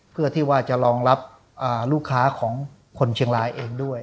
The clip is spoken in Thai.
เพื่อที่ว่าจะรองรับลูกค้าของคนเชียงรายเองด้วย